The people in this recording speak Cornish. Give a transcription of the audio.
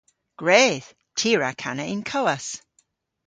Gwredh! Ty a wra kana y'n kowas.